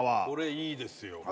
これいいですよ。